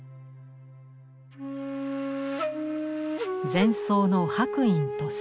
禅僧の白隠と仙。